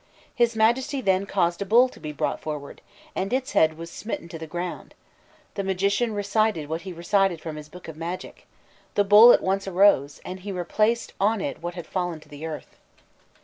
His Majesty then caused a bull to be brought forward, and its head was smitten to the ground: the magician recited what he recited from his book of magic, the bull at once arose, and he replaced on it what had fallen to the earth."